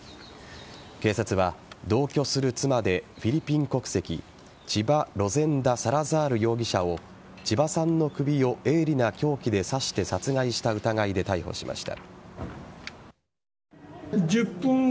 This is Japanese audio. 警察は同居する妻でフィリピン国籍チバ・ロゼンダ・サラザール容疑者を千葉さんの首を鋭利な凶器で刺して殺害した疑いで逮捕しました。